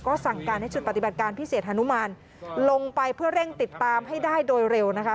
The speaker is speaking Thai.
ก็สั่งการให้ชุดปฏิบัติการพิเศษฮานุมานลงไปเพื่อเร่งติดตามให้ได้โดยเร็วนะคะ